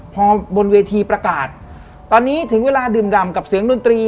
พอบนเวทีประกาศตอนนี้ถึงเวลาดื่มดำกับเสียงดนตรี